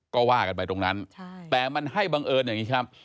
ก็ว่ากันไปตรงนั้นแต่มันให้บังเอิญอย่างนี้ครับ